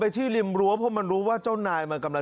ฉันพูดบางคำ